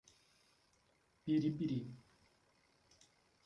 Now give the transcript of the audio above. Piripiri